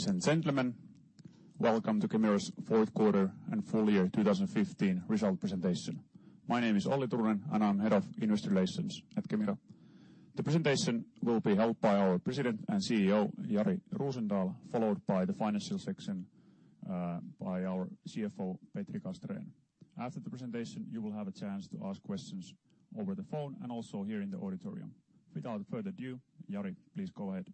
Ladies and gentlemen, welcome to Kemira's fourth quarter and full year 2015 result presentation. My name is Olli Turunen, and I'm Head of Industry Relations at Kemira. The presentation will be held by our President and CEO, Jari Rosendal, followed by the financial section by our CFO, Petri Castrén. After the presentation, you will have a chance to ask questions over the phone and also here in the auditorium. Without further ado, Jari, please go ahead.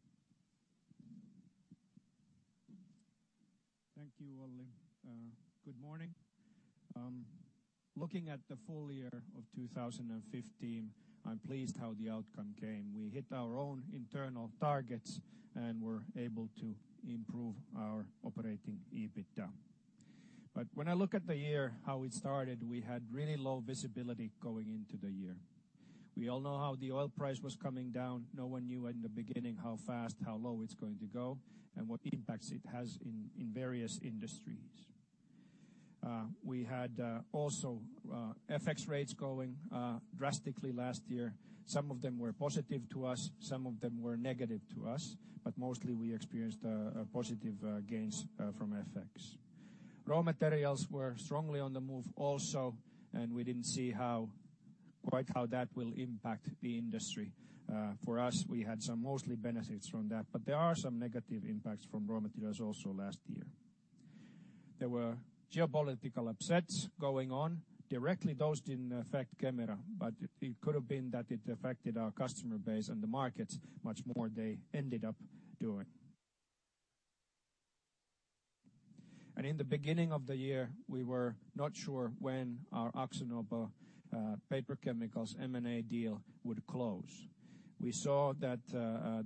Thank you, Olli. Good morning. Looking at the full year of 2015, I'm pleased how the outcome came. We hit our own internal targets, and were able to improve our operative EBITDA. When I look at the year, how it started, we had really low visibility going into the year. We all know how the oil price was coming down. No one knew in the beginning how fast, how low it's going to go, and what impacts it has in various industries. We had also FX rates going drastically last year. Some of them were positive to us, some of them were negative to us, but mostly we experienced positive gains from FX. Raw materials were strongly on the move also. We didn't see quite how that will impact the industry. For us, we had some mostly benefits from that. There are some negative impacts from raw materials also last year. There were geopolitical upsets going on. Directly, those didn't affect Kemira, but it could have been that it affected our customer base and the market much more they ended up doing. In the beginning of the year, we were not sure when our AkzoNobel Paper Chemicals M&A deal would close. We saw that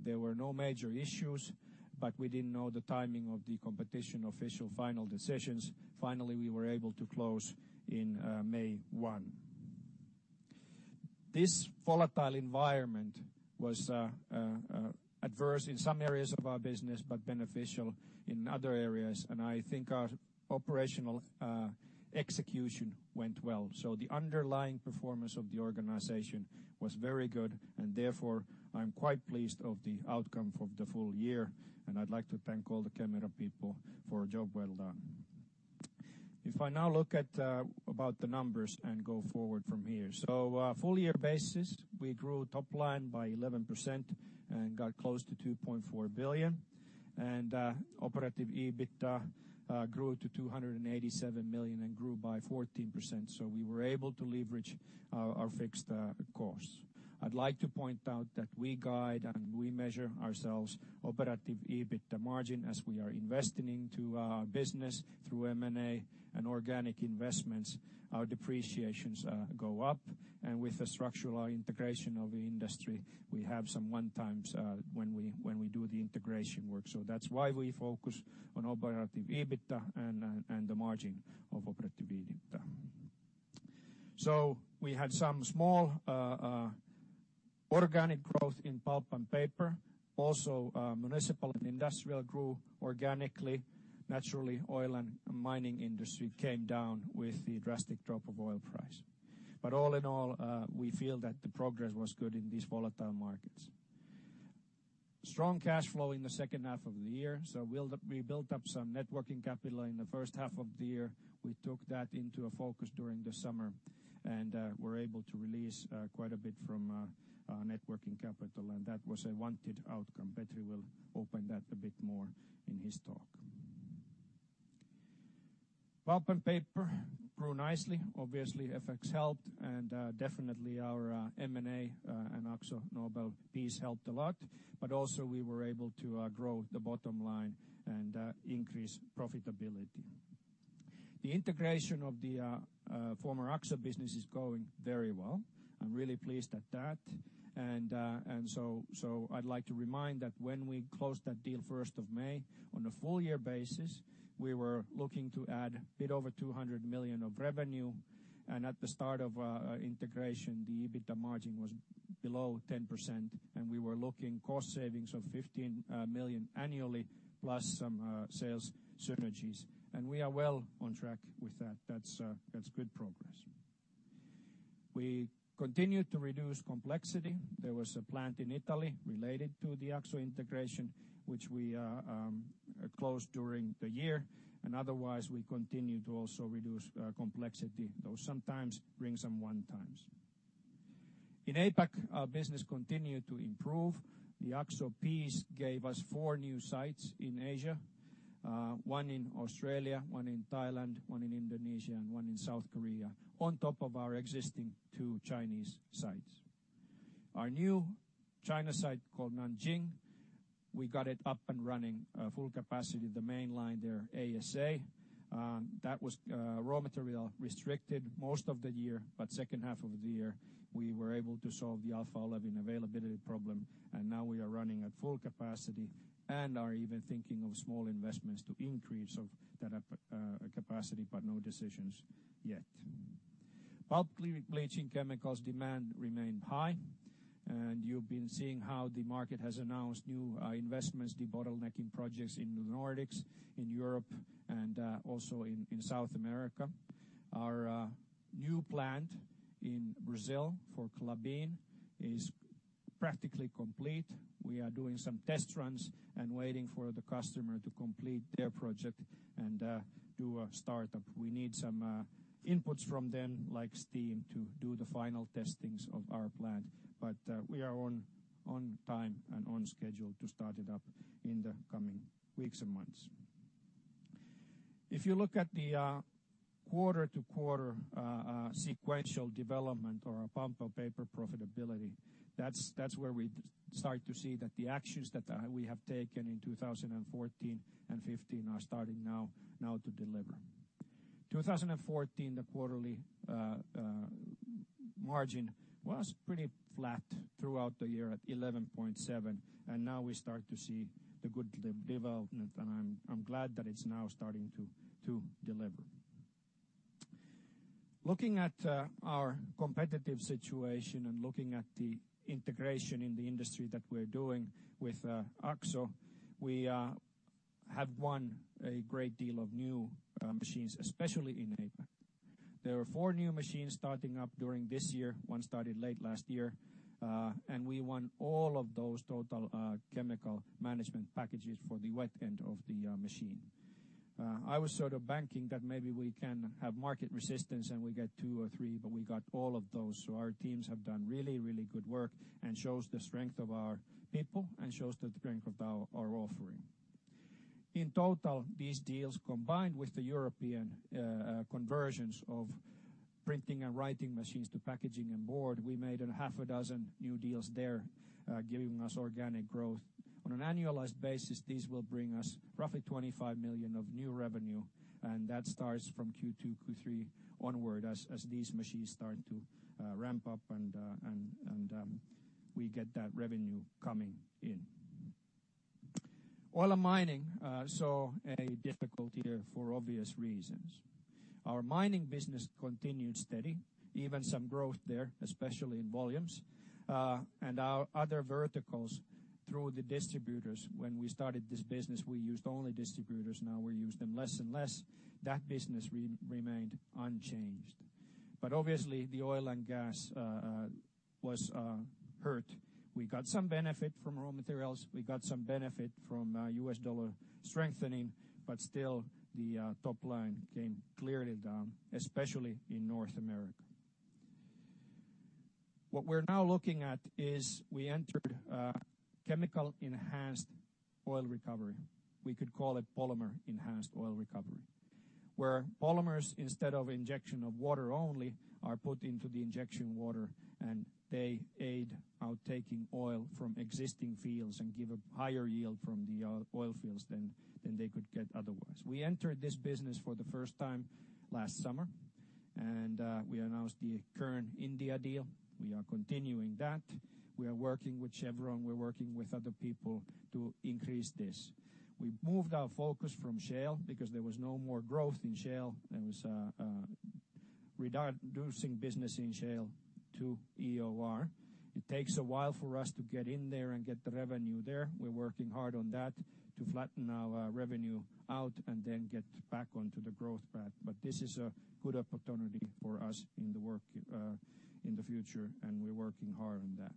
there were no major issues, but we didn't know the timing of the competition official final decisions. Finally, we were able to close in May 1. This volatile environment was adverse in some areas of our business but beneficial in other areas. I think our operational execution went well. The underlying performance of the organization was very good. Therefore, I'm quite pleased of the outcome of the full year. I'd like to thank all the Kemira people for a job well done. If I now look at about the numbers and go forward from here. Full year basis, we grew top line by 11% and got close to 2.4 billion. Operative EBITDA grew to 287 million and grew by 14%. We were able to leverage our fixed costs. I'd like to point out that we guide and we measure ourselves operative EBITDA margin as we are investing into our business through M&A and organic investments. Our depreciations go up. With the structural integration of the industry, we have some one times when we do the integration work. That's why we focus on operative EBITDA and the margin of operative EBITDA. We had some small organic growth in pulp and paper. Also, municipal and industrial grew organically. Naturally, oil and mining industry came down with the drastic drop of oil price. All in all, we feel that the progress was good in these volatile markets. Strong cash flow in the second half of the year. We built up some net working capital in the first half of the year. We took that into a focus during the summer and were able to release quite a bit from net working capital, and that was a wanted outcome. Petri will open that a bit more in his talk. Pulp and paper grew nicely. Obviously, FX helped, and definitely our M&A and AkzoNobel piece helped a lot, but also we were able to grow the bottom line and increase profitability. The integration of the former Akzo business is going very well. I'm really pleased at that. I'd like to remind that when we closed that deal 1st of May, on a full year basis, we were looking to add a bit over 200 million of revenue, and at the start of our integration, the EBITDA margin was below 10%, and we were looking cost savings of 15 million annually, plus some sales synergies. We are well on track with that. That's good progress. We continued to reduce complexity. There was a plant in Italy related to the Akzo integration, which we closed during the year, and otherwise, we continued to also reduce complexity, though sometimes bring some one times. In APAC, our business continued to improve. The Akzo piece gave us four new sites in Asia, one in Australia, one in Thailand, one in Indonesia, and one in South Korea, on top of our existing two Chinese sites. Our new China site called Nanjing, we got it up and running full capacity, the main line there, ASA. That was raw material restricted most of the year, but second half of the year, we were able to solve the alpha olefin availability problem, and now we are running at full capacity and are even thinking of small investments to increase that capacity, but no decisions yet. Pulp bleaching chemicals demand remained high, and you've been seeing how the market has announced new investments, the bottlenecking projects in the Nordics, in Europe, and also in South America. Our new plant in Brazil for Klabin is practically complete. We are doing some test runs and waiting for the customer to complete their project and do a startup. We need some inputs from them, like steam, to do the final testings of our plant. We are on time and on schedule to start it up in the coming weeks and months. If you look at the quarter-to-quarter sequential development or a pulp and paper profitability, that's where we start to see that the actions that we have taken in 2014 and 2015 are starting now to deliver. 2014, the quarterly margin was pretty flat throughout the year at 11.7%, and now we start to see the good development, and I'm glad that it's now starting to deliver. Looking at our competitive situation and looking at the integration in the industry that we're doing with Akzo, we have won a great deal of new machines, especially in APAC. There were four new machines starting up during this year, one started late last year. We won all of those Total Chemical Management packages for the wet end of the machine. I was sort of banking that maybe we can have market resistance and we get two or three, but we got all of those. Our teams have done really, really good work and shows the strength of our people and shows the strength of our offering. In total, these deals, combined with the European conversions of printing and writing machines to packaging and board, we made a half a dozen new deals there, giving us organic growth. On an annualized basis, this will bring us roughly 25 million of new revenue, and that starts from Q2, Q3 onward as these machines start to ramp up and we get that revenue coming in. Oil and mining saw a difficult year for obvious reasons. Our mining business continued steady, even some growth there, especially in volumes. Our other verticals through the distributors, when we started this business, we used only distributors. Now we use them less and less. That business remained unchanged. Obviously, the oil and gas was hurt. We got some benefit from raw materials. We got some benefit from U.S. dollar strengthening, but still the top line came clearly down, especially in North America. What we're now looking at is we entered a chemical enhanced oil recovery. We could call it polymer enhanced oil recovery. Where polymers, instead of injection of water only, are put into the injection water and they aid out taking oil from existing fields and give a higher yield from the oil fields than they could get otherwise. We entered this business for the first time last summer, and we announced the current India deal. We are continuing that. We are working with Chevron, we're working with other people to increase this. We moved our focus from shale because there was no more growth in shale. There was a reducing business in shale to EOR. It takes a while for us to get in there and get the revenue there. We're working hard on that to flatten our revenue out and then get back onto the growth path. This is a good opportunity for us in the future, and we're working hard on that.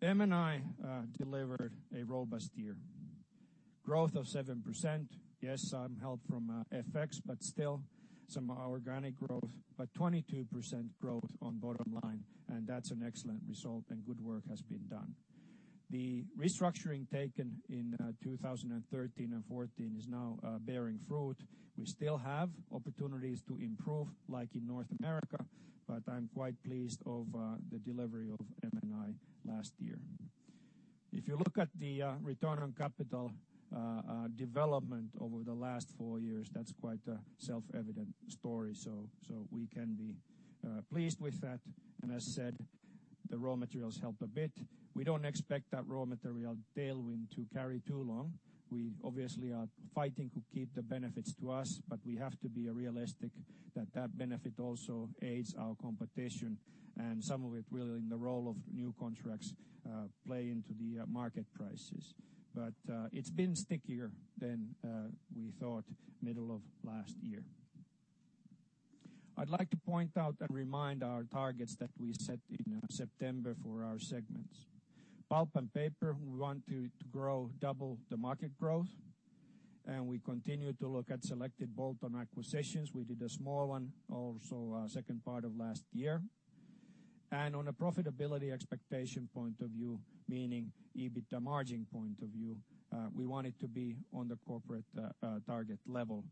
M&I delivered a robust year. Growth of 7%. Yes, some help from FX, but still some organic growth, but 22% growth on bottom line, and that's an excellent result and good work has been done. The restructuring taken in 2013 and 2014 is now bearing fruit. We still have opportunities to improve, like in North America, but I'm quite pleased of the delivery of M&I last year. If you look at the return on capital development over the last four years, that's quite a self-evident story, so we can be pleased with that. As I said, the raw materials help a bit. We don't expect that raw material tailwind to carry too long. We obviously are fighting to keep the benefits to us, but we have to be realistic that that benefit also aids our competition and some of it will, in the role of new contracts, play into the market prices. It's been stickier than we thought middle of last year. I'd like to point out and remind our targets that we set in September for our segments. Pulp and paper, we want to grow double the market growth, and we continue to look at selected bolt-on acquisitions. We did a small one also second part of last year. On a profitability expectation point of view, meaning EBITDA margin point of view, we want it to be on the corporate target level.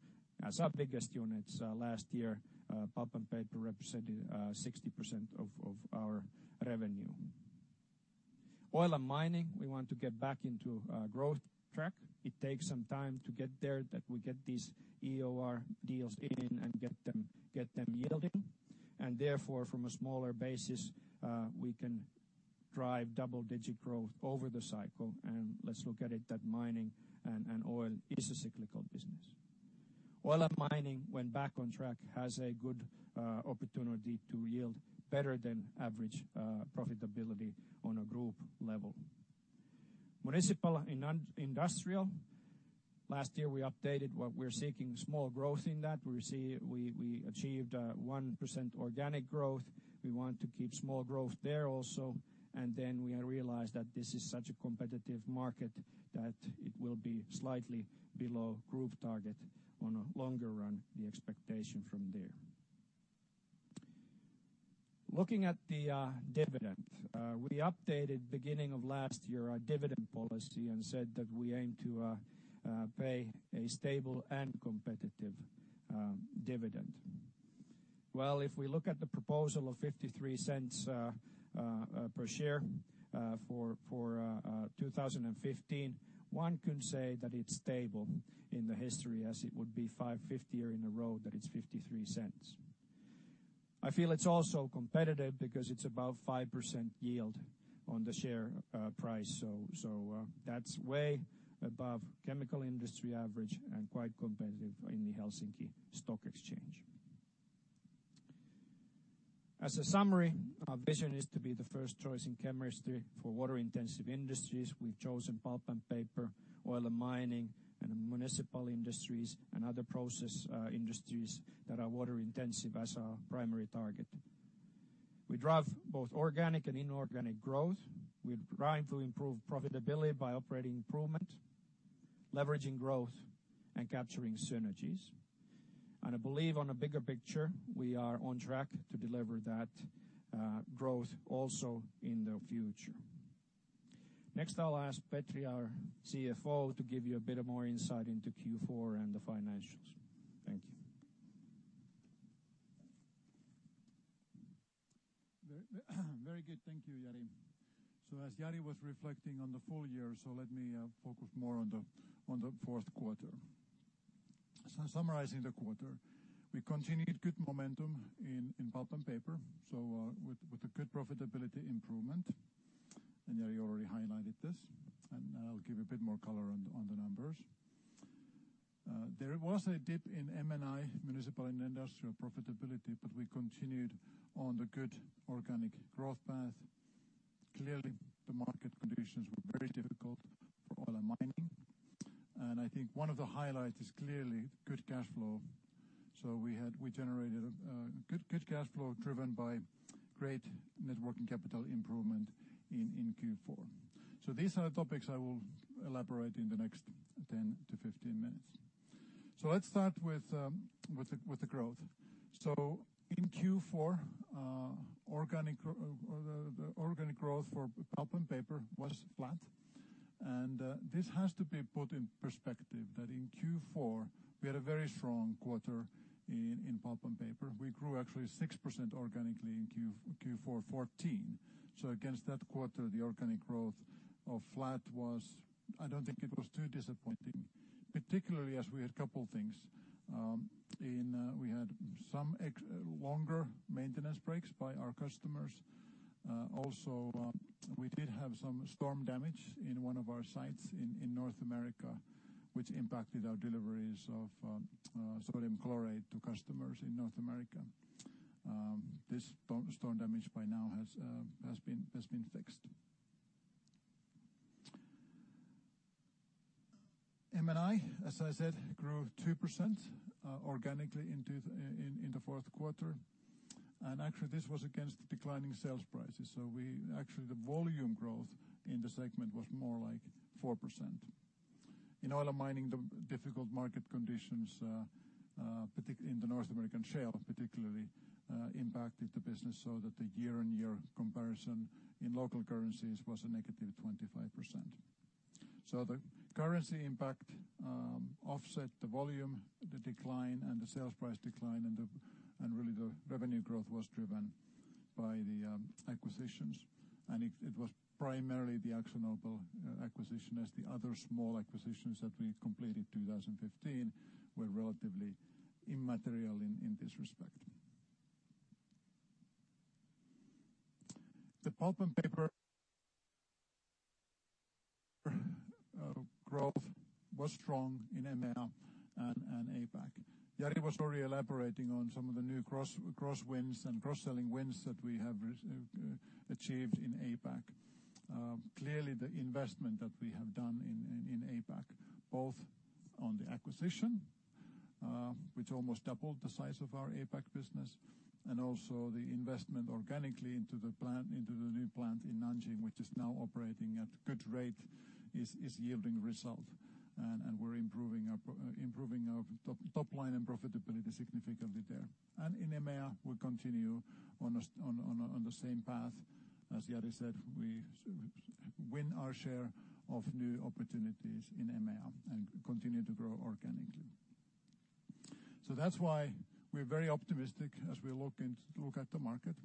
As our biggest units last year, pulp and paper represented 60% of our revenue. Oil and mining, we want to get back into a growth track. It takes some time to get there, that we get these EOR deals in and get them yielding. Therefore, from a smaller basis, we can drive double-digit growth over the cycle, and let's look at it that mining and oil is a cyclical business. Oil and mining, when back on track, has a good opportunity to yield better than average profitability on a group level. Municipal and Industrial. Last year, we updated what we're seeking small growth in that. We achieved 1% organic growth. We want to keep small growth there also. We realized that this is such a competitive market that it will be slightly below group target on a longer-run, the expectation from there. Looking at the dividend, we updated beginning of last year our dividend policy and said that we aim to pay a stable and competitive dividend. If we look at the proposal of 0.53 per share for 2015, one can say that it's stable in the history as it would be five years in a row that it's 0.53. I feel it's also competitive because it's above 5% yield on the share price. That's way above chemical industry average and quite competitive in the Helsinki Stock Exchange. As a summary, our vision is to be the first choice in chemistry for water-intensive industries. We've chosen pulp and paper, oil and mining, and Municipal and Industrial, and other process industries that are water-intensive as our primary target. We drive both organic and inorganic growth. We aim to improve profitability by operating improvement, leveraging growth, and capturing synergies. I believe on a bigger picture, we are on track to deliver that growth also in the future. Next, I'll ask Petri, our CFO, to give you a bit more insight into Q4 and the financials. Thank you. Very good. Thank you, Jari. As Jari was reflecting on the full year, let me focus more on the fourth quarter. Summarizing the quarter, we continued good momentum in pulp and paper, with a good profitability improvement. Jari already highlighted this, and I'll give a bit more color on the numbers. There was a dip in M&I, Municipal and Industrial profitability, we continued on the good organic growth path. Clearly, the market conditions were very difficult for oil and mining. I think one of the highlights is clearly good cash flow. We generated a good cash flow driven by great net working capital improvement in Q4. These are the topics I will elaborate in the next 10-15 minutes. Let's start with the growth. In Q4, the organic growth for pulp and paper was flat. This has to be put in perspective that in Q4, we had a very strong quarter in pulp and paper. We grew actually 6% organically in Q4 2014. Against that quarter, the organic growth of flat was, I don't think it was too disappointing, particularly as we had couple things. We had some longer maintenance breaks by our customers. Also, we did have some storm damage in one of our sites in North America, which impacted our deliveries of sodium chlorate to customers in North America. This storm damage by now has been fixed. M&I, as I said, grew 2% organically in the fourth quarter. Actually, this was against declining sales prices. Actually, the volume growth in the segment was more like 4%. In oil mining, the difficult market conditions, in the North American shale particularly, impacted the business so that the year-on-year comparison in local currencies was a negative 25%. The currency impact offset the volume, the decline, and the sales price decline, and really the revenue growth was driven by the acquisitions. It was primarily the AkzoNobel acquisition as the other small acquisitions that we completed 2015 were relatively immaterial in this respect. The pulp and paper growth was strong in EMEA and APAC. Jari was already elaborating on some of the new cross-wins and cross-selling wins that we have achieved in APAC. Clearly, the investment that we have done in APAC, both on the acquisition which almost doubled the size of our APAC business, and also the investment organically into the new plant in Nanjing, which is now operating at good rate, is yielding result. We're improving our top line and profitability significantly there. In EMEA, we continue on the same path. As Jari said, we win our share of new opportunities in EMEA and continue to grow organically. That's why we're very optimistic as we look at the market.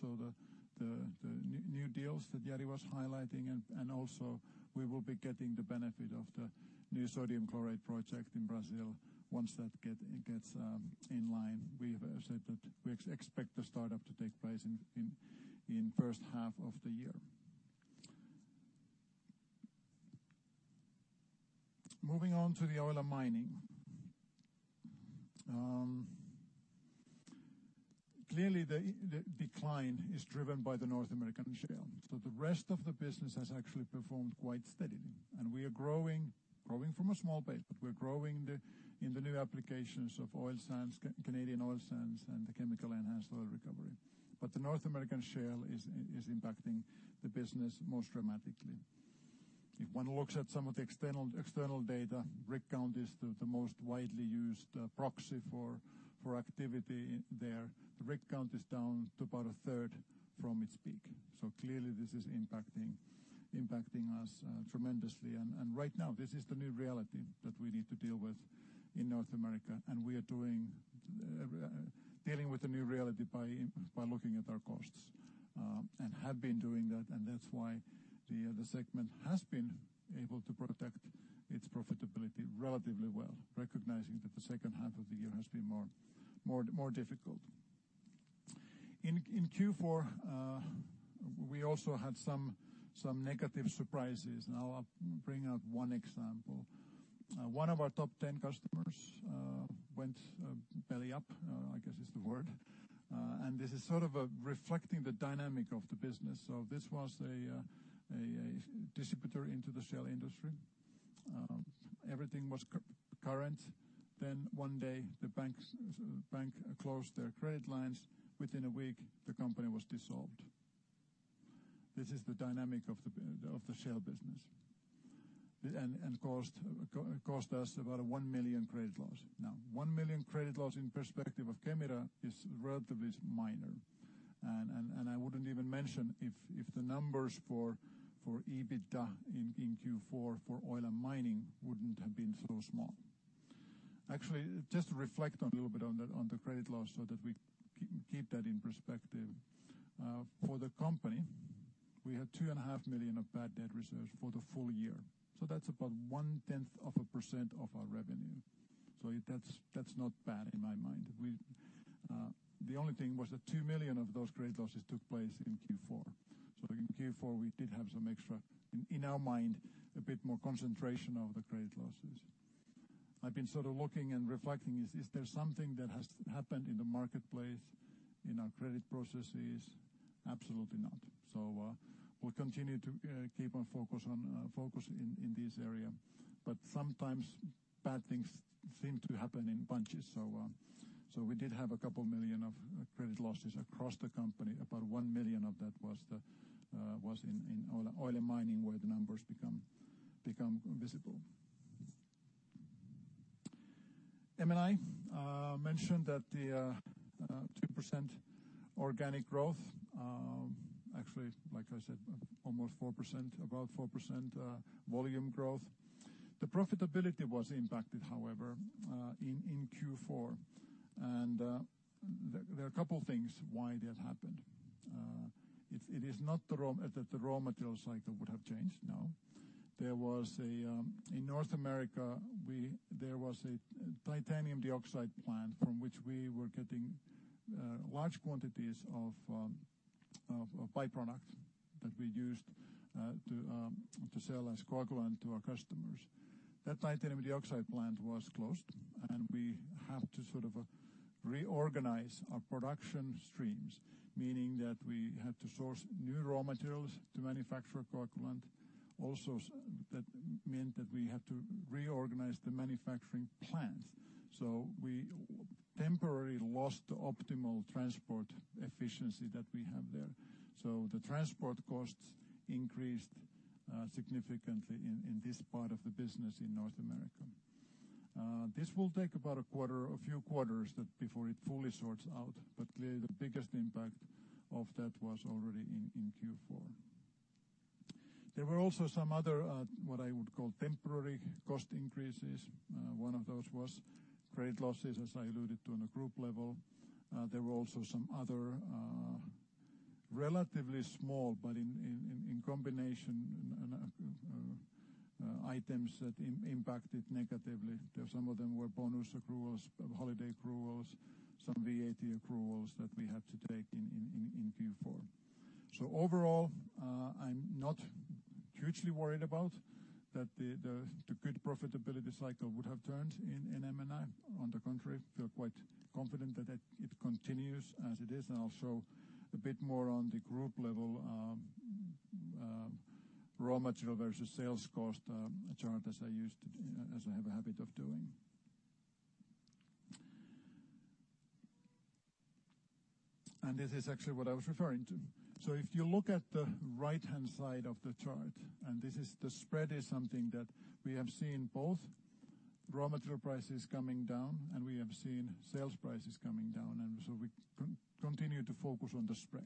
The new deals that Jari was highlighting, and also we will be getting the benefit of the new sodium chlorate project in Brazil once that gets in line. We have said that we expect the startup to take place in first half of the year. Moving on to the oil mining. Clearly, the decline is driven by the North American shale. The rest of the business has actually performed quite steadily. We are growing from a small base, but we're growing in the new applications of Canadian oil sands and the chemical enhanced oil recovery. The North American shale is impacting the business most dramatically. If one looks at some of the external data, rig count is the most widely used proxy for activity there. The rig count is down to about a third from its peak. Clearly, this is impacting us tremendously. Right now, this is the new reality that we need to deal with in North America, and we are dealing with the new reality by looking at our costs. Have been doing that, and that's why the segment has been able to protect its profitability relatively well, recognizing that the second half of the year has been more difficult. In Q4, we also had some negative surprises, and I'll bring out one example. One of our top 10 customers went belly up, I guess is the word. This is sort of reflecting the dynamic of the business. This was a distributor into the shale industry. Everything was current. One day, the bank closed their credit lines. Within a week, the company was dissolved. This is the dynamic of the shale business. Cost us about a 1 million credit loss. Now, 1 million credit loss in perspective of Kemira is relatively minor. I wouldn't even mention if the numbers for EBITDA in Q4 for oil and mining wouldn't have been so small. Just to reflect a little bit on the credit loss so that we keep that in perspective. For the company, we had 2.5 million of bad debt reserves for the full year. That's about 0.1% of our revenue. That's not bad in my mind. The only thing was that 2 million of those credit losses took place in Q4. In Q4, we did have some extra, in our mind, a bit more concentration of the credit losses. I've been sort of looking and reflecting, is there something that has happened in the marketplace, in our credit processes? Absolutely not. We'll continue to keep our focus in this area. Sometimes bad things seem to happen in bunches. We did have 2 million of credit losses across the company. About 1 million of that was in oil and mining, where the numbers become visible. M&I. Mentioned that the 2% organic growth, like I said, almost 4%, about 4% volume growth. The profitability was impacted, however, in Q4. There are a couple things why that happened. It is not that the raw materials cycle would have changed, no. In North America, there was a titanium dioxide plant from which we were getting large quantities of byproducts that we used to sell as coagulant to our customers. That titanium dioxide plant was closed, and we have to sort of reorganize our production streams, meaning that we had to source new raw materials to manufacture coagulant. That meant that we had to reorganize the manufacturing plant. We temporarily lost the optimal transport efficiency that we have there. The transport costs increased significantly in this part of the business in North America. This will take about a few quarters before it fully sorts out, but clearly the biggest impact of that was already in Q4. There were also some other, what I would call temporary cost increases. One of those was credit losses, as I alluded to on a group level. There were also some other relatively small, but in combination items that impacted negatively. Some of them were bonus accruals, holiday accruals, some VAT accruals that we had to take in Q4. Overall, I'm not hugely worried about that the good profitability cycle would have turned in M&I. On the contrary, feel quite confident that it continues as it is, and I'll show a bit more on the group level raw material versus sales cost chart as I have a habit of doing. This is actually what I was referring to. If you look at the right-hand side of the chart, the spread is something that we have seen both raw material prices coming down and we have seen sales prices coming down, we continue to focus on the spread,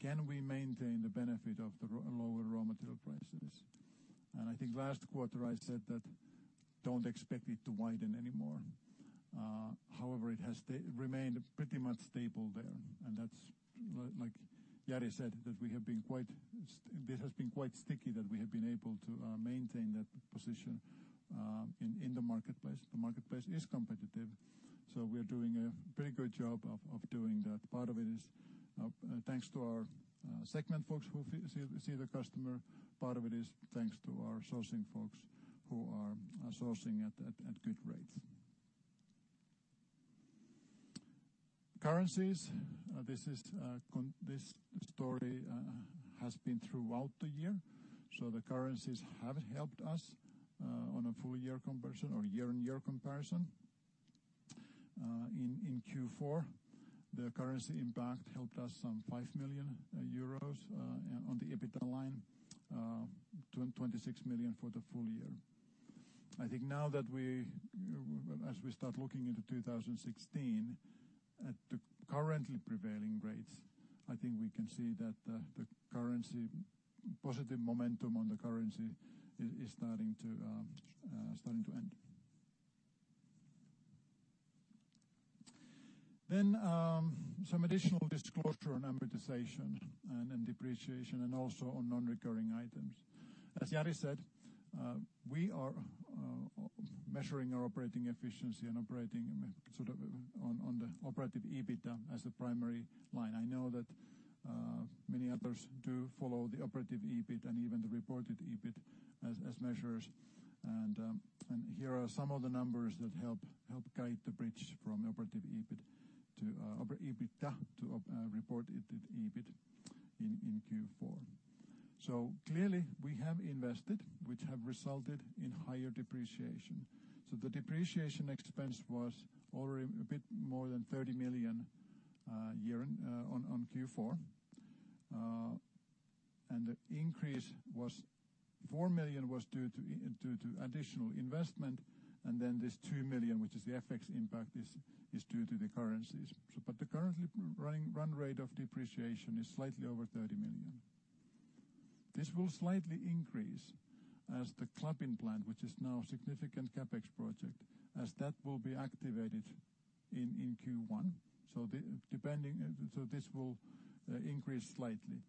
can we maintain the benefit of the lower raw material prices. I think last quarter I said that don't expect it to widen anymore. However, it has remained pretty much stable there. That's like Jari said, that this has been quite sticky that we have been able to maintain that position in the marketplace. The marketplace is competitive, so we're doing a very good job of keeping. Part of it is thanks to our segment folks who see the customer, part of it is thanks to our sourcing folks who are sourcing at good rates. Currencies, this story has been throughout the year. The currencies have helped us on a full year comparison or year-on-year comparison. In Q4, the currency impact helped us some 5 million euros on the EBITDA line, 26 million for the full year. I think now as we start looking into 2016 at the currently prevailing rates, we can see that the positive momentum on the currency is starting to end. Some additional disclosure on amortization and depreciation, and also on non-recurring items. As Jari said, we are measuring our operating efficiency and operating on the operative EBITDA as the primary line. I know that many others do follow the operative EBIT and even the reported EBIT as measures. Here are some of the numbers that help guide the bridge from operative EBITDA to reported EBIT in Q4. Clearly we have invested, which have resulted in higher depreciation. The depreciation expense was already a bit more than EUR 30 million on Q4. The increase was 4 million, was due to additional investment, and this 2 million, which is the FX impact, is due to the currencies. The currently run rate of depreciation is slightly over 30 million. This will slightly increase as the Klabin plant, which is now a significant CapEx project, as that will be activated in Q1. This will increase slightly.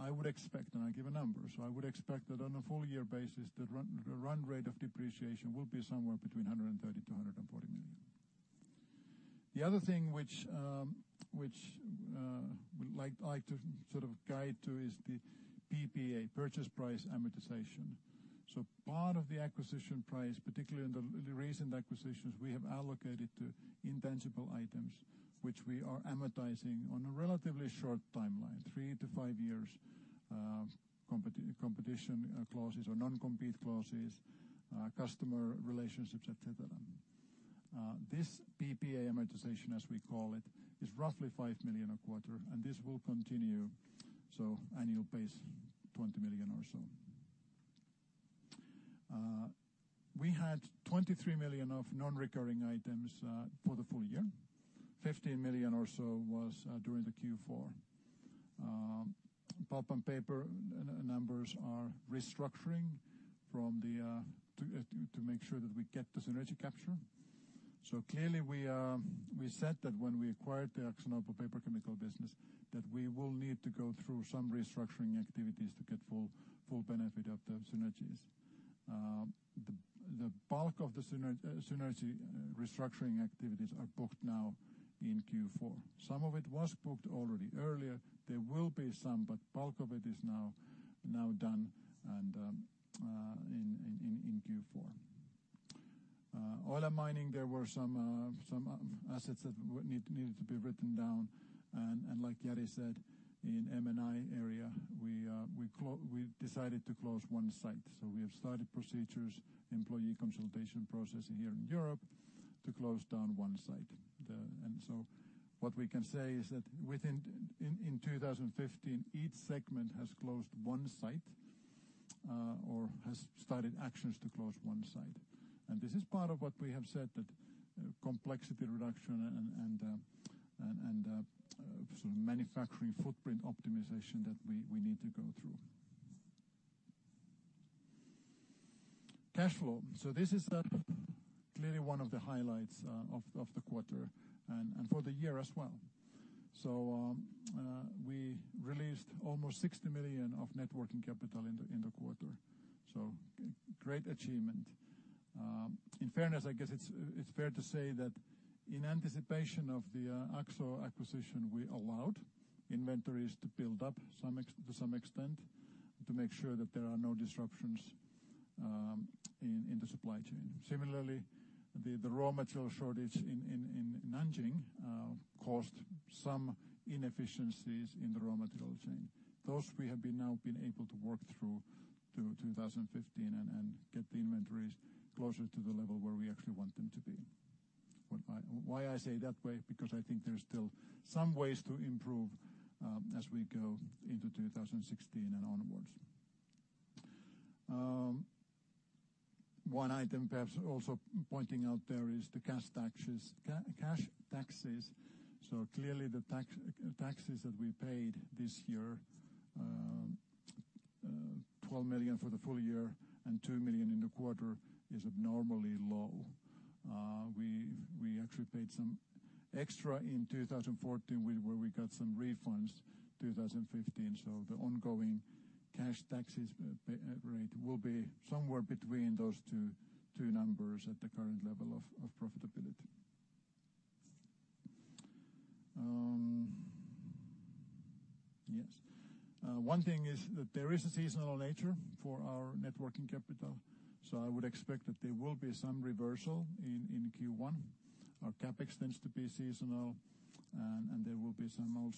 I would expect, and I give a number, that on a full year basis, the run rate of depreciation will be somewhere between 130 million to 140 million. The other thing which we'd like to guide to is the PPA, purchase price amortization. Part of the acquisition price, particularly in the recent acquisitions, we have allocated to intangible items, which we are amortizing on a relatively short timeline, three to five years, competition clauses or non-compete clauses, customer relationships, et cetera. This PPA amortization, as we call it, is roughly 5 million a quarter, and this will continue, annual pace, 20 million or so. We had 23 million of non-recurring items for the full year, 15 million or so was during the Q4. Pulp and Paper numbers are restructuring to make sure that we get the synergy capture. Clearly we said that when we acquired the AkzoNobel Paper Chemicals business, that we will need to go through some restructuring activities to get full benefit of the synergies. The bulk of the synergy restructuring activities are booked now in Q4. Some of it was booked already earlier. There will be some, but bulk of it is now done and in Q4. Oil and Mining, there were some assets that needed to be written down, and like Jari said, in M&I area, we decided to close one site. We have started procedures, employee consultation process here in Europe to close down one site. What we can say is that in 2015, each segment has closed one site or has started actions to close one site. This is part of what we have said that complexity reduction and manufacturing footprint optimization that we need to go through. Cash flow. This is clearly one of the highlights of the quarter and for the year as well. We released almost 60 million of net working capital in the quarter. Great achievement. In fairness, I guess it is fair to say that in anticipation of the Akzo acquisition, we allowed inventories to build up to some extent to make sure that there are no disruptions in the supply chain. Similarly, the raw material shortage in Nanjing caused some inefficiencies in the raw material chain. Those we have now been able to work through 2015 and get the inventories closer to the level where we actually want them to be. Why I say it that way, because I think there is still some ways to improve as we go into 2016 and onwards. One item perhaps also pointing out there is the cash taxes. Clearly the taxes that we paid this year, 12 million for the full year and 2 million in the quarter is abnormally low. We actually paid some extra in 2014. We got some refunds 2015, the ongoing cash taxes rate will be somewhere between those two numbers at the current level of profitability. Yes. One thing is that there is a seasonal nature for our net working capital. I would expect that there will be some reversal in Q1. Our CapEx tends to be seasonal, and there will be some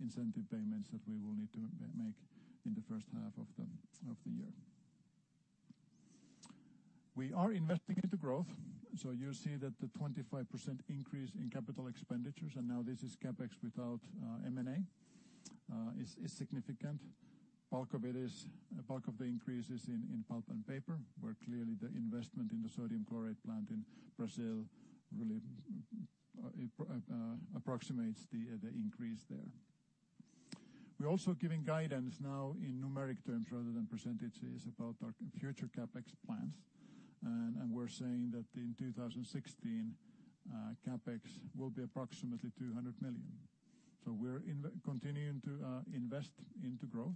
incentive payments that we will need to make in the first half of the year. We are investing into growth. You see that the 25% increase in capital expenditures, and now this is CapEx without M&A, is significant. Bulk of the increase is in pulp and paper, where clearly the investment in the sodium chlorate plant in Brazil really approximates the increase there. We are also giving guidance now in numeric terms rather than percentages about our future CapEx plans. We are saying that in 2016, CapEx will be approximately 200 million. We are continuing to invest into growth.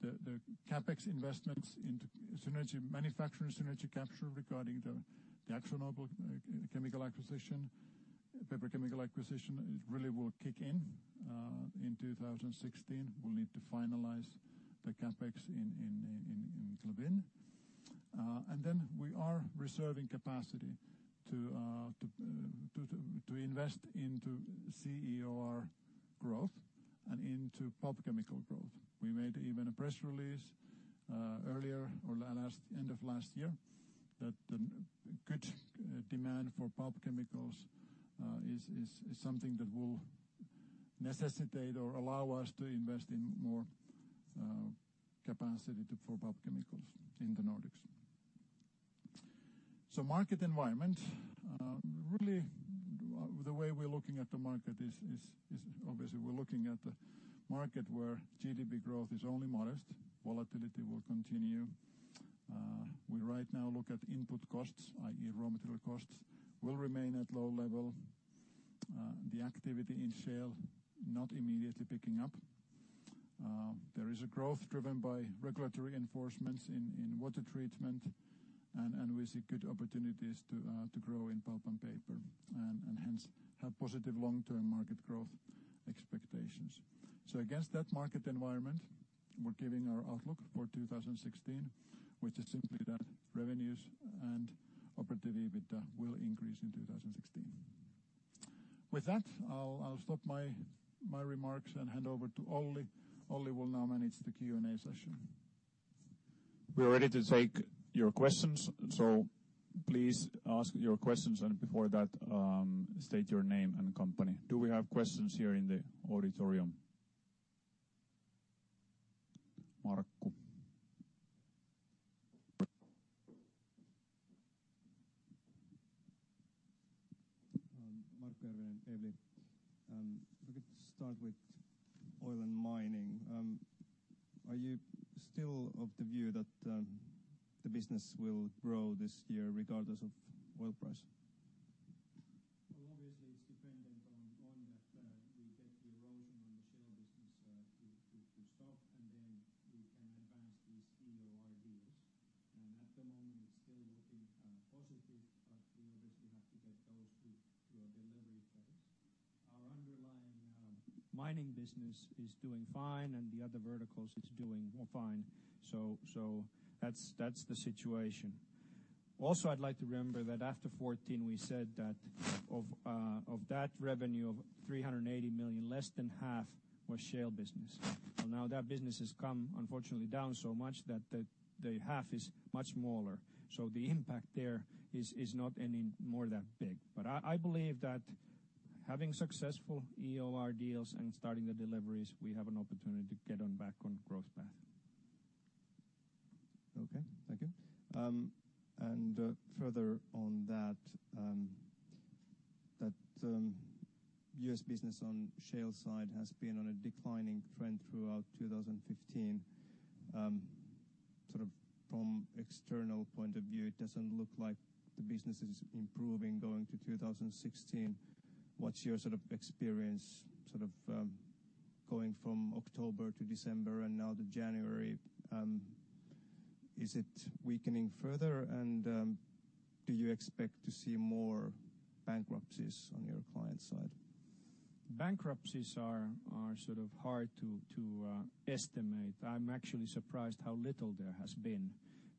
The CapEx investments into synergy manufacturing, synergy capture regarding the AkzoNobel chemical acquisition, paper chemical acquisition, it really will kick in 2016. We will need to finalize the CapEx in Klabin. Then we are reserving capacity to invest into CEOR growth and into pulp chemical growth. We made even a press release earlier or end of last year that the good demand for pulp chemicals is something that will necessitate or allow us to invest in more capacity for pulp chemicals in the Nordics. Market environment, really the way we are looking at the market is obviously we are looking at the market where GDP growth is only modest. Volatility will continue. We right now look at input costs, i.e. raw material costs, will remain at low level. The activity in shale, not immediately picking up. There is a growth driven by regulatory enforcements in water treatment, and we see good opportunities to grow in pulp and paper, and hence have positive long-term market growth expectations. Against that market environment, we're giving our outlook for 2016, which is simply that revenues and operative EBITDA will increase in 2016. With that, I'll stop my remarks and hand over to Olli. Olli will now manage the Q&A session. We are ready to take your questions. Please ask your questions, and before that, state your name and company. Do we have questions here in the auditorium? Markku. Markku Ervinen, Evli. If I could start with oil and mining. Are you still of the view that the business will grow this year regardless of oil price? Obviously it's dependent on that we get the erosion on the shale business to stop, and then we can advance these EOR deals. At the moment it's still looking positive, but we obviously have to get those to a delivery phase. Our underlying mining business is doing fine, and the other verticals it's doing fine. That's the situation. Also, I'd like to remember that after 2014, we said that of that revenue of 380 million, less than half was shale business. Now that business has come unfortunately down so much that the half is much smaller. The impact there is not any more that big. I believe that having successful EOR deals and starting the deliveries, we have an opportunity to get on back on growth path. Okay. Thank you. Further on that U.S. business on shale side has been on a declining trend throughout 2015. Sort of from external point of view, it doesn't look like the business is improving going to 2016. What's your sort of experience sort of going from October to December and now to January? Is it weakening further, and do you expect to see more bankruptcies on your client side? Bankruptcies are sort of hard to estimate. I'm actually surprised how little there has been.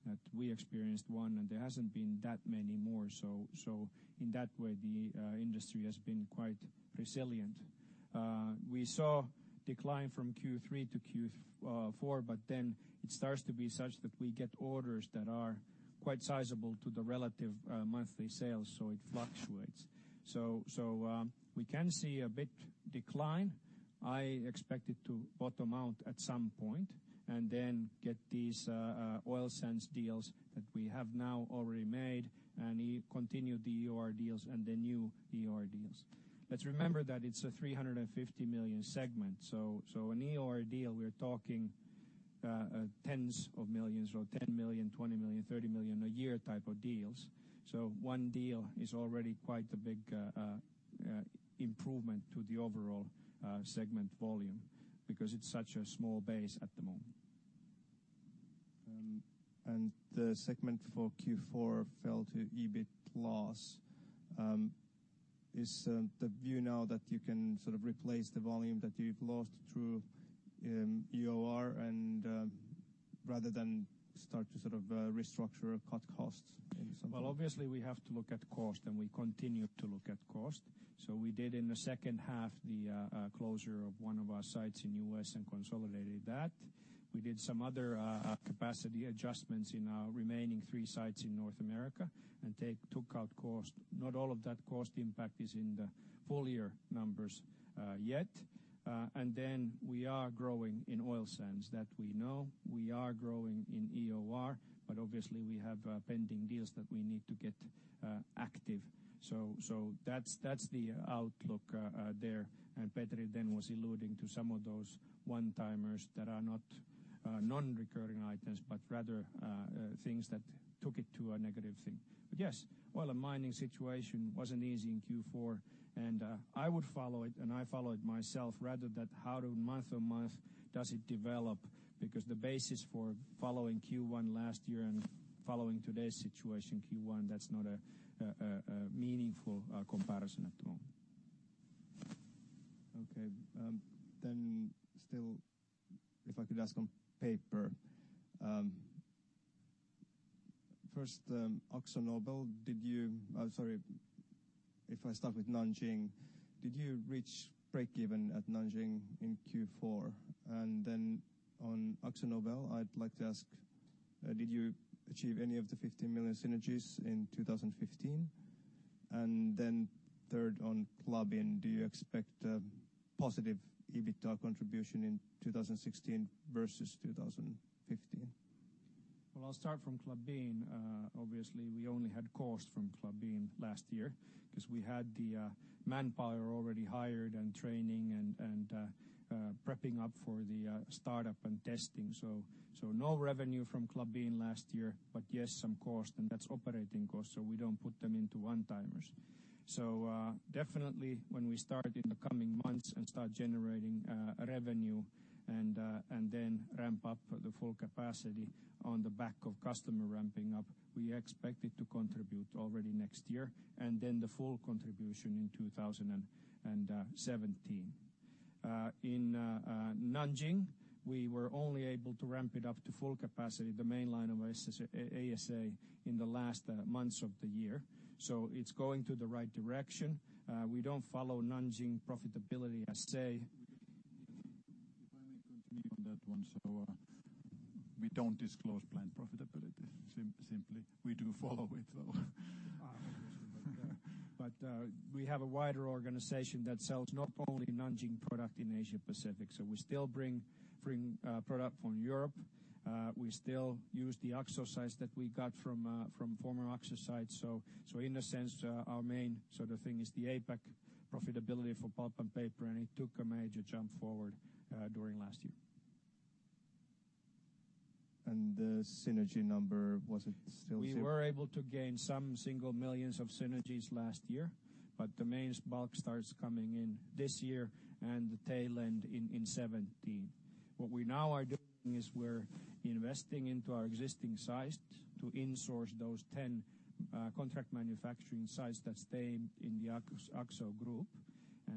That we experienced one, and there hasn't been that many more. In that way, the industry has been quite resilient. We saw decline from Q3 to Q4, it starts to be such that we get orders that are quite sizable to the relative monthly sales, so it fluctuates. We can see a bit decline. I expect it to bottom out at some point and then get these Canadian oil sands deals that we have now already made and continue the EOR deals and the new EOR deals. Let's remember that it's a 350 million segment, so an EOR deal, we're talking tens of millions or 10 million, 20 million, 30 million a year type of deals. One deal is already quite a big improvement to the overall segment volume because it's such a small base at the moment. The segment for Q4 fell to EBIT loss. Is the view now that you can replace the volume that you've lost through EOR and rather than start to restructure or cut costs maybe sometime? Obviously, we have to look at cost, we continue to look at cost. We did in the second half the closure of one of our sites in the U.S. and consolidated that. We did some other capacity adjustments in our remaining three sites in North America and took out cost. Not all of that cost impact is in the full-year numbers yet. We are growing in Canadian oil sands, that we know. We are growing in EOR, but obviously we have pending deals that we need to get active. That's the outlook there. Petri Castrén was alluding to some of those one-timers that are not non-recurring items, but rather things that took it to a negative thing. Yes, while the mining situation wasn't easy in Q4, I would follow it and I followed myself rather than how do month-on-month does it develop, because the basis for following Q1 last year and following today's situation, Q1, that's not a meaningful comparison at the moment. Still if I could ask on paper. First AkzoNobel, did you I'm sorry if I start with Nanjing. Did you reach break-even at Nanjing in Q4? On AkzoNobel, I'd like to ask did you achieve any of the 50 million synergies in 2015? Third on Klabin, do you expect a positive EBITDA contribution in 2016 versus 2015? I'll start from Klabin. Obviously, we only had costs from Klabin last year because we had the manpower already hired and training and prepping up for the startup and testing. No revenue from Klabin last year, yes, some cost and that's operating costs, we don't put them into one-timers. Definitely when we start in the coming months and start generating revenue and then ramp up the full capacity on the back of customer ramping up, we expect it to contribute already next year. The full contribution in 2017. In Nanjing, we were only able to ramp it up to full capacity, the main line of ASA in the last months of the year. It's going to the right direction. We don't follow Nanjing profitability. If I may continue on that one. We don't disclose plant profitability simply. We do follow it, though. We have a wider organization that sells not only Nanjing product in Asia-Pacific. We still bring product from Europe. We still use the Akzo sites that we got from former Akzo sites. In a sense, our main thing is the APAC profitability for Pulp and Paper, and it took a major jump forward during last year. The synergy number, was it still zero? We were able to gain some single millions of synergies last year, but the main bulk starts coming in this year and the tail end in 2017. What we now are doing is we're investing into our existing sites to insource those 10 contract manufacturing sites that stay in the Akzo group.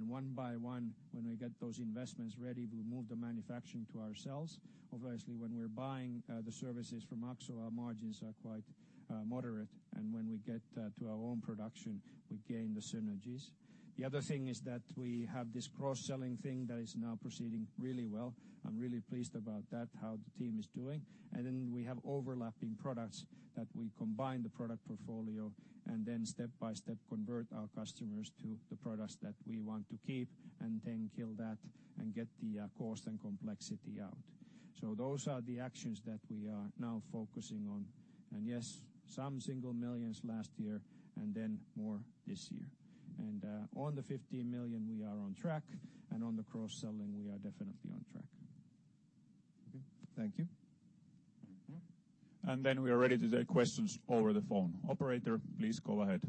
One by one, when we get those investments ready, we'll move the manufacturing to ourselves. Obviously, when we're buying the services from Akzo, our margins are quite moderate, and when we get to our own production, we gain the synergies. The other thing is that we have this cross-selling thing that is now proceeding really well. I'm really pleased about that, how the team is doing. We have overlapping products that we combine the product portfolio and then step by step convert our customers to the products that we want to keep and then kill that and get the cost and complexity out. Those are the actions that we are now focusing on. Yes, some single millions last year and then more this year. On the 15 million we are on track and on the cross-selling we are definitely on track. Okay. Thank you. Mm-hmm. We are ready to take questions over the phone. Operator, please go ahead.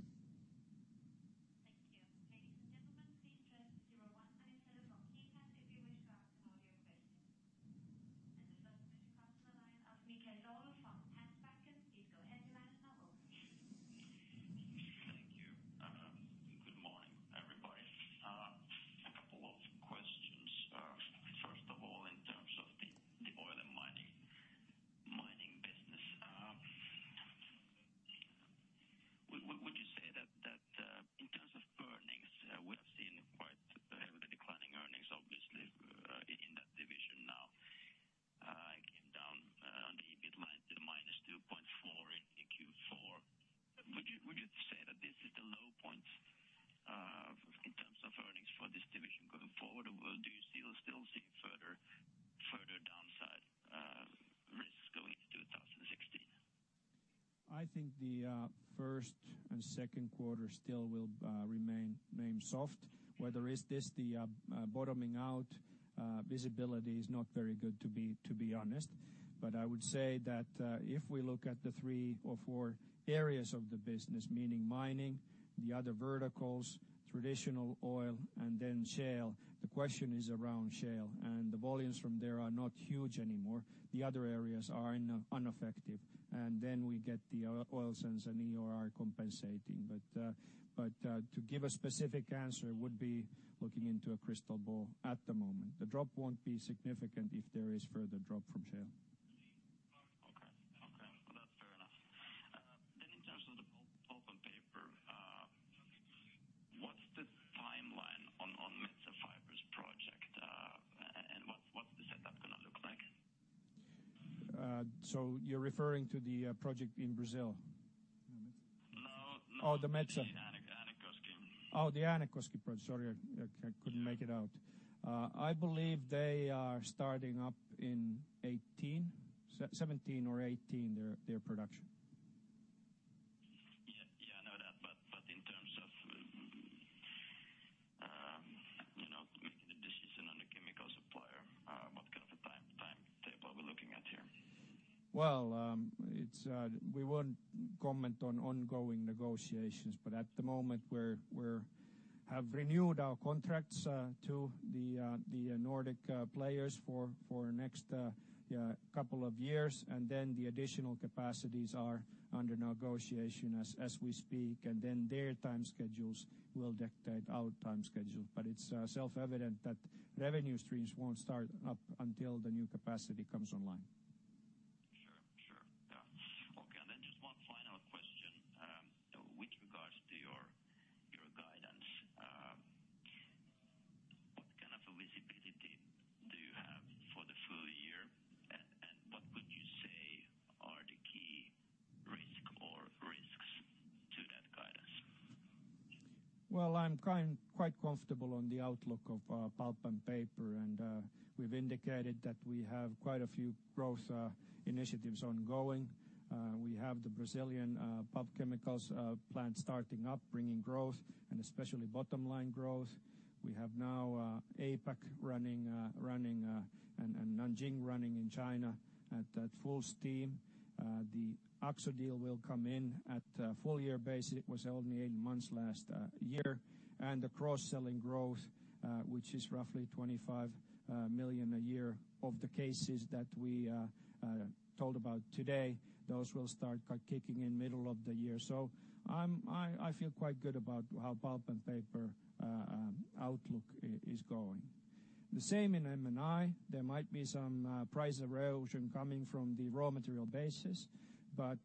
and then we get the oil sands and EOR compensating. To give a specific answer would be looking into a crystal ball at the moment. The drop won't be significant if there is further drop from shale. Okay. Well, that's fair enough. In terms of the pulp and paper, what's the timeline on Metsä Fibre project? What's the setup going to look like? You're referring to the project in Brazil? No. Oh, the Metsä. The Äänekoski. Oh, the Äänekoski project. Sorry, I couldn't make it out. I believe they are starting up in 2018, 2017 or 2018, their production. Yeah, I know that. In terms of making a decision on the chemical supplier, what kind of a timetable are we looking at here? Well, we won't comment on ongoing negotiations, but at the moment we have renewed our contracts to the Nordic players for next couple of years, and the additional capacities are under negotiation as we speak. Their time schedules will dictate our time schedule. It's self-evident that revenue streams won't start up until the new capacity comes online. Sure. Yeah. Okay, just one final question. With regards to your guidance, what kind of a visibility do you have for the full year, and what would you say are the key risk or risks to that guidance? Well, I'm quite comfortable on the outlook of pulp and paper, and we've indicated that we have quite a few growth initiatives ongoing. We have the Brazilian pulp chemicals plant starting up, bringing growth and especially bottom-line growth. We have now APAC running and Nanjing running in China at full steam. The Akzo deal will come in at full year basis. It was only eight months last year. The cross-selling growth, which is roughly 25 million a year of the cases that we told about today, those will start kicking in middle of the year. I feel quite good about how pulp and paper outlook is going. The same in M&I. There might be some price erosion coming from the raw material basis. At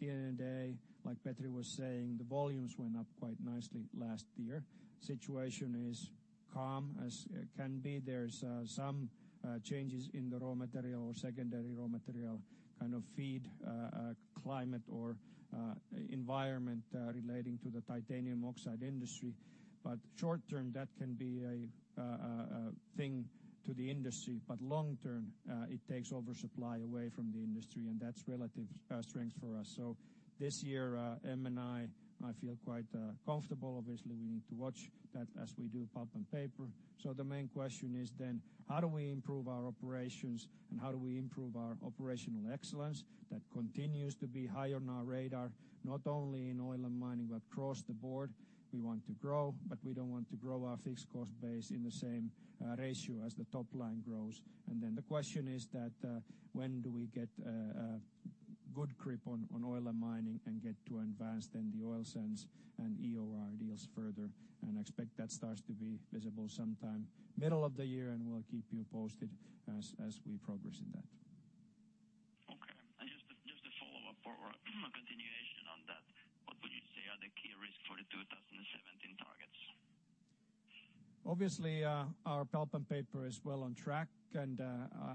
the end of the day, like Petri was saying, the volumes went up quite nicely last year. Situation is calm as can be. There's some changes in the raw material or secondary raw material kind of feed climate or environment relating to the titanium dioxide industry. Short-term, that can be a thing to the industry. Long-term, it takes over supply away from the industry, and that's relative strength for us. This year, M&I feel quite comfortable. Obviously, we need to watch that as we do pulp and paper. The main question is then how do we improve our operations and how do we improve our operational excellence? That continues to be high on our radar, not only in oil and mining, but across the board. We want to grow, but we don't want to grow our fixed cost base in the same ratio as the top line grows. The question is that when do we get a good grip on oil and mining and get to advance the oil sands and EOR deals further and expect that starts to be visible sometime middle of the year, and we'll keep you posted as we progress in that. Okay. Just a follow-up or a continuation on that. What would you say are the key risks for the 2017 targets? Obviously, our pulp and paper is well on track, and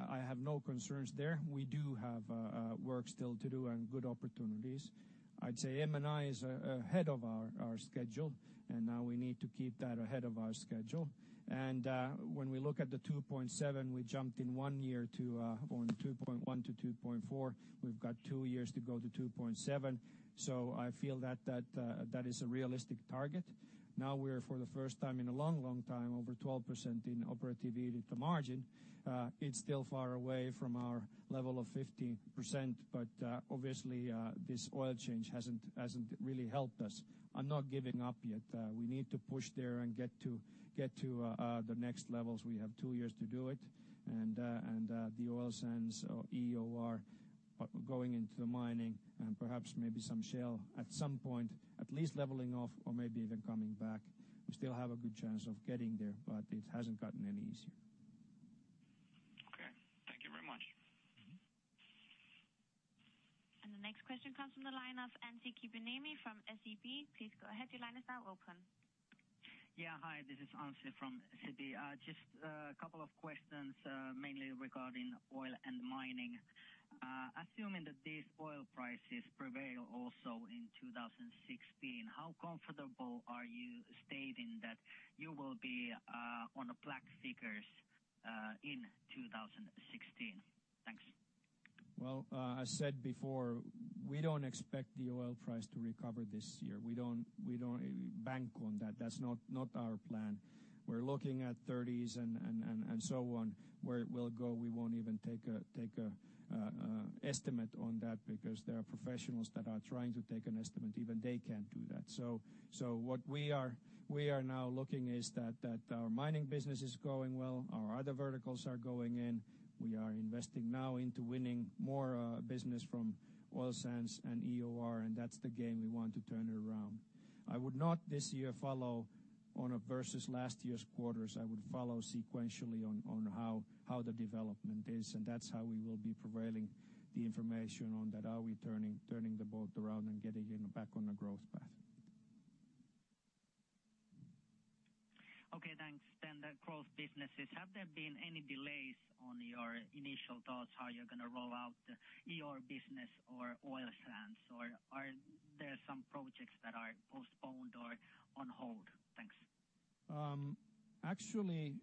I have no concerns there. We do have work still to do and good opportunities. I'd say M&I is ahead of our schedule, and now we need to keep that ahead of our schedule. When we look at the 2.7, we jumped in one year from 2.1 to 2.4. We've got two years to go to 2.7, so I feel that is a realistic target. Now we're, for the first time in a long, long time, over 12% in operative EBITDA margin. It's still far away from our level of 15%, but obviously, this oil change hasn't really helped us. I'm not giving up yet. We need to push there and get to the next levels. We have two years to do it. The oil sands or EOR going into mining and perhaps maybe some shale at some point, at least leveling off or maybe even coming back. We still have a good chance of getting there, but it hasn't gotten any easier. Okay. Thank you very much. The next question comes from the line of Anssi Kiviniemi from SEB. Please go ahead. Your line is now open. Yes. Hi, this is Anssi from SEB. Just a couple of questions, mainly regarding oil and mining. Assuming that these oil prices prevail for 2016. How comfortable are you stating that you will be on the black figures in 2016? Thanks. Well, I said before, we don't expect the oil price to recover this year. We don't bank on that. That's not our plan. We're looking at 30s and so on, where it will go, we won't even take an estimate on that because there are professionals that are trying to take an estimate, even they can't do that. What we are now looking is that our mining business is going well. Our other verticals are going in. We are investing now into winning more business from oil sands and EOR, and that's the game we want to turn around. I would not this year follow on versus last year's quarters, I would follow sequentially on how the development is, and that's how we will be prevailing the information on that. Are we turning the boat around and getting back on a growth path? Okay, thanks. The growth businesses, have there been any delays on your initial thoughts, how you're going to roll out the EOR business or Oil sands? Are there some projects that are postponed or on hold? Thanks. Actually,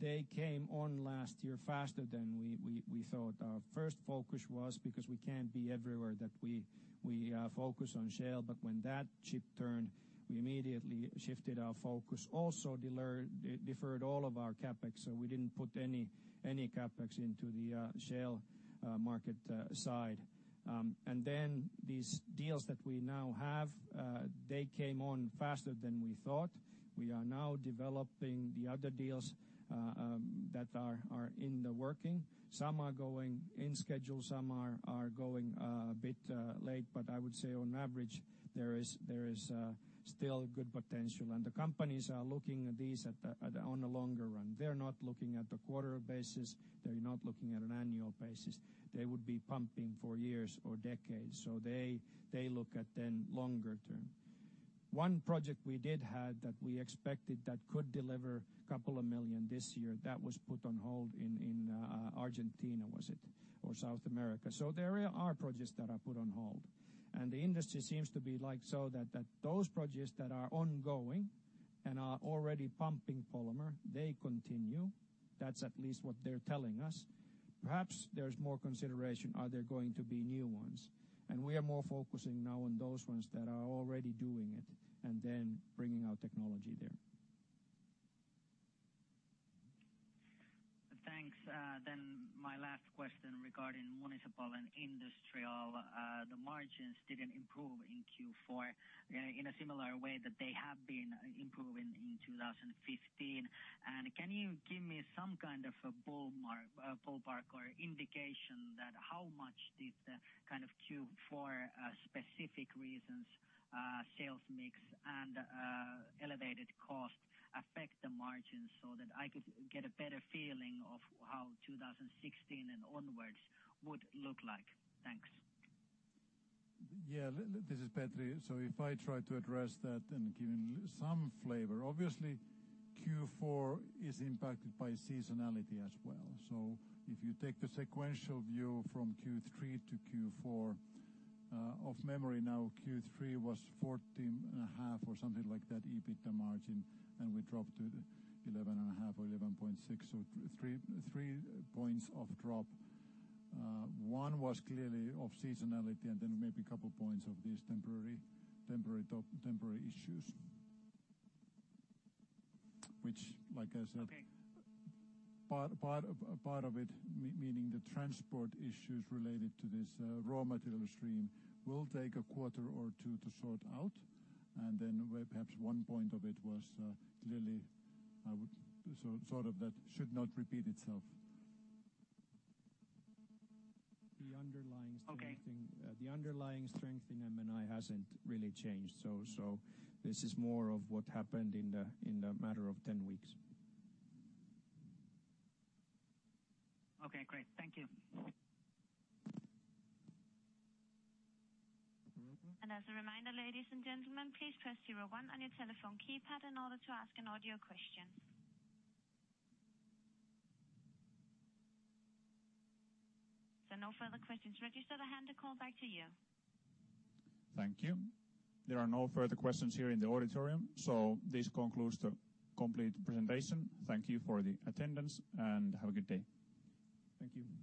they came on last year faster than we thought. Our first focus was because we can't be everywhere, that we focus on shale. When that ship turned, we immediately shifted our focus, also deferred all of our CapEx, so we didn't put any CapEx into the shale market side. These deals that we now have, they came on faster than we thought. We are now developing the other deals that are in the working. Some are going in schedule, some are going a bit late, but I would say on average, there is still good potential. The companies are looking at these on the longer run. They're not looking at the quarter basis, they're not looking at an annual basis. They would be pumping for years or decades. They look at then longer term. One project we did have that we expected that could deliver a couple of million EUR this year, that was put on hold in Argentina, was it? South America. There are projects that are put on hold, and the industry seems to be like so that those projects that are ongoing and are already pumping polymer, they continue. That's at least what they're telling us. Perhaps there's more consideration, are there going to be new ones? We are more focusing now on those ones that are already doing it and then bringing our technology there. Thanks. My last question regarding Municipal and Industrial, the margins didn't improve in Q4 in a similar way that they have been improving in 2015. Can you give me some kind of a ballpark or indication that how much did the kind of Q4 specific reasons, sales mix, and elevated cost affect the margins so that I could get a better feeling of how 2016 and onwards would look like? Thanks. Yeah. This is Petri. If I try to address that and give some flavor, obviously Q4 is impacted by seasonality as well. If you take the sequential view from Q3 to Q4, off memory now, Q3 was 14 and a half or something like that, EBITDA margin, and we dropped to 11 and a half or 11.6, so three points of drop. One was clearly of seasonality and then maybe couple points of these temporary issues, which like I said- Okay part of it, meaning the transport issues related to this raw material stream, will take a quarter or two to sort out. Perhaps one point of it was clearly, sort of that should not repeat itself. The underlying strength- Okay the underlying strength in M&I hasn't really changed, this is more of what happened in the matter of 10 weeks. Okay, great. Thank you. As a reminder, ladies and gentlemen, please press zero one on your telephone keypad in order to ask an audio question. No further questions. Register the hand to call back to you. Thank you. There are no further questions here in the auditorium, this concludes the complete presentation. Thank you for the attendance, have a good day. Thank you.